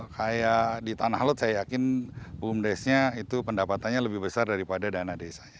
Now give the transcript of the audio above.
kayak di tanah laut saya yakin bumdesnya itu pendapatannya lebih besar daripada dana desanya